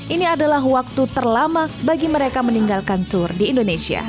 ini adalah waktu terlama bagi mereka meninggalkan tur di indonesia